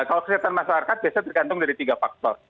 kalau kesehatan masyarakat biasanya tergantung dari tiga faktor